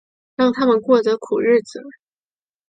让他们过着苦日子